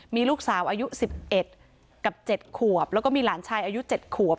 มีลูกสาวอายุสิบเอ็ดกับเจ็ดขวบแล้วก็มีหลานชายอายุเจ็ดขวบ